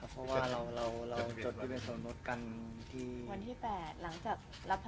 สินสอดทองมั่นนะครับ